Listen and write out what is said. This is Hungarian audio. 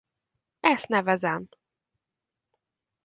Ezt nevezem!